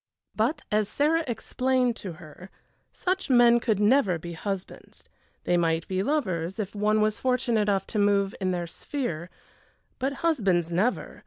But, as Sarah explained to her, such men could never be husbands. They might be lovers, if one was fortunate enough to move in their sphere, but husbands never!